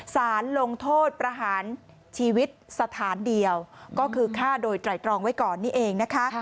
สารลงโทษประหารชีวิตสถานเดียวก็คือฆ่าโดยไตรตรองไว้ก่อนนี่เองนะคะ